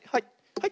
はい。